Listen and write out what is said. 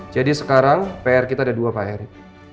jadi sekarang pr kita ada dua pak erick